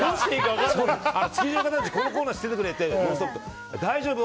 このコーナーやってて大丈夫？